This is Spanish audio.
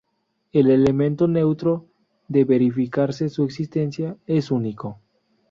El elemento neutro, de verificarse su existencia, es único.